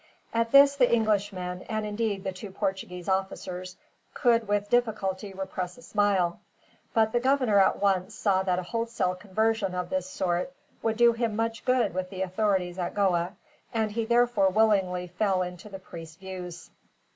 At this the Englishmen, and indeed the two Portuguese officers, could with difficulty repress a smile; but the governor at once saw that a wholesale conversion of this sort would do him much good with the authorities at Goa, and he therefore willingly fell into the priest's views.